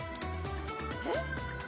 えっ！